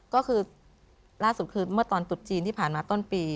ก็คือล่าสุดคือเมื่อตอนตุดจีนที่ผ่านมาต้นปี